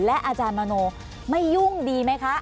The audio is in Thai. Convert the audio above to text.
และอาจารย์มโนไม่ยุ่งดีไหมคะ